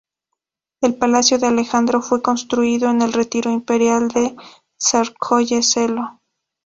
El palacio de Alejandro fue construido en el retiro imperial de Tsárskoye Seló.